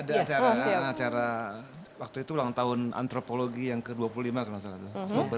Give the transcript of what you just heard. ada acara waktu itu ulang tahun antropologi yang ke dua puluh lima kalau nggak salah